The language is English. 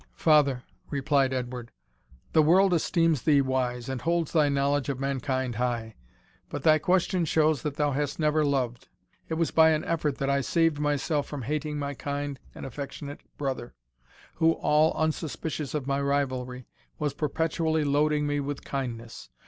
"Father," replied Edward, "the world esteems thee wise, and holds thy knowledge of mankind high; but thy question shows that thou hast never loved. It was by an effort that I saved myself from hating my kind and affectionate brother, who, all unsuspicious of my rivalry, was perpetually loading me with kindness.